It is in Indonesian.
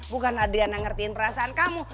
bukan adriana ngertiin perasaan kamu